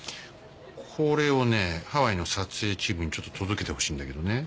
これをねハワイの撮影チームにちょっと届けてほしいんだけどね。